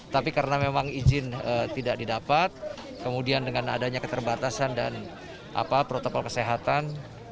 tapi karena memang izin tidak didapat kemudian dengan adanya keterbatasan dan protokol kesehatan